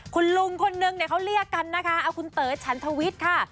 คุณลุงคนหนึ่งเขาเรียกกันนะคะเอาคุณเต๋อชั้นทวิตค่ะ